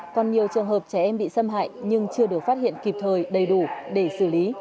còn nhiều trường hợp trẻ em bị xâm hại nhưng chưa được phát hiện kịp thời đầy đủ để xử lý